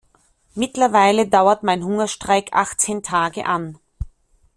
Mittlerweile dauert mein Hungerstreik achtzehn Tage an.